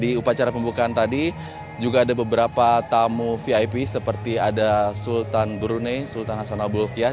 di upacara pembukaan tadi juga ada beberapa tamu vip seperti ada sultan brunei sultan hasan abu hokiyah